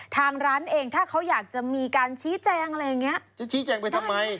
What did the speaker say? ทางร้านเองถ้าเขาอยากจะมีการชี้แจงอะไรอย่างเงี้ยจะชี้แจงไปทำไม